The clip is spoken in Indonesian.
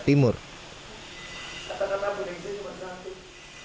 katakanlah berikutnya juga masalah